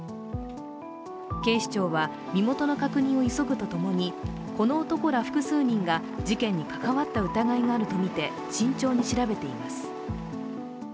警視庁は身元の確認を急ぐと共に、この男ら複数人が事件に関わった疑いがあるとみて慎重に調べています。